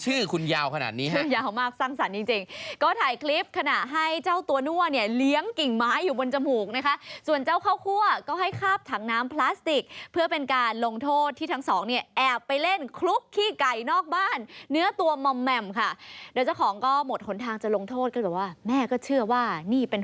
ชื่อคุณยาวขนาดนี้ฮะคุณยาวมากสร้างสรรค์จริงจริงก็ถ่ายคลิปขณะให้เจ้าตัวนั่วเนี่ยเลี้ยงกิ่งไม้อยู่บนจมูกนะคะส่วนเจ้าข้าวคั่วก็ให้คาบถังน้ำพลาสติกเพื่อเป็นการลงโทษที่ทั้งสองเนี่ยแอบไปเล่นคลุกขี้ไก่นอกบ้านเนื้อตัวมอมแหม่มค่ะโดยเจ้าของก็หมดหนทางจะลงโทษก็เลยแบบว่าแม่ก็เชื่อว่านี่เป็น